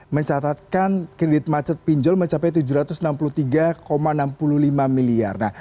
mencatatkan kredit macet pinjol mencapai tujuh ratus enam puluh tiga enam puluh lima miliar